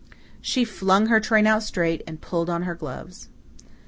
She flung her train out straight and pulled on her gloves.